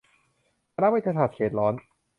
คณะเวชศาสตร์เขตร้อน